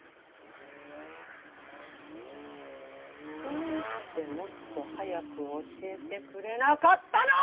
どうしてもっと早く教えてくれなかったの！！